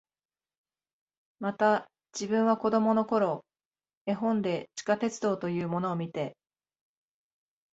また、自分は子供の頃、絵本で地下鉄道というものを見て、